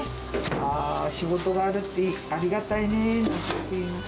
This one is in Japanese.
ああ、仕事があるってありがたいねなんて、よく言います。